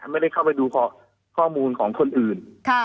ไม่ได้เข้าไปดูข้อมูลของคนอื่น